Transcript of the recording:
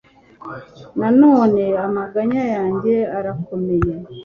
nanone, amaganya yanjye arakomeye